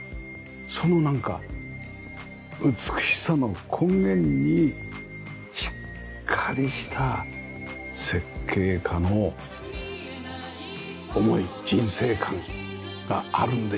そのなんか美しさの根源にしっかりした設計家の思い人生観があるんでしょうかね。